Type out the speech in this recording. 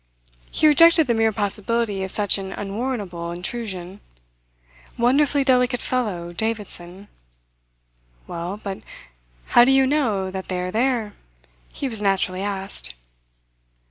He rejected the mere possibility of such an unwarrantable intrusion. Wonderfully delicate fellow, Davidson! "Well, but how do you know that they are there?" he was naturally asked.